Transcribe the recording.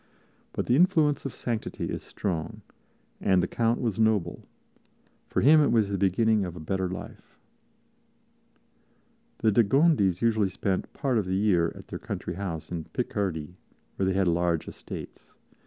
But the influence of sanctity is strong, and the Count was noble; for him it was the beginning of a better life. The de Gondis usually spent part of the year at their country house in Picardy, where they had large estates.